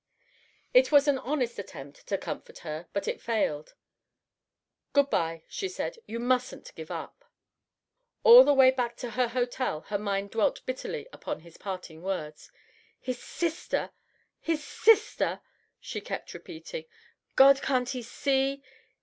It was an honest attempt to comfort her, but it failed. "Good bye," she said; "you mustn't give up." All the way back to her hotel her mind dwelt bitterly upon his parting words. "His sister! his sister!" she kept repeating. "God! Can't he see?"